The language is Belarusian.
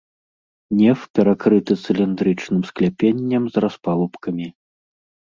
Неф перакрыты цыліндрычным скляпеннем з распалубкамі.